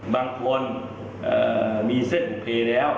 บางคนมีเศษบุคเพลย์แล้ว